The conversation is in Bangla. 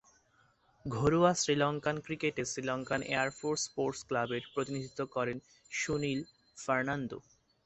ঘরোয়া শ্রীলঙ্কান ক্রিকেটে শ্রীলঙ্কান এয়ার ফোর্স স্পোর্টস ক্লাবের প্রতিনিধিত্ব করেন সুশীল ফার্নান্দো।